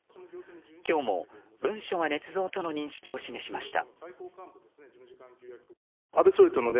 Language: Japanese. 今日も文書はねつ造との認識を示しました。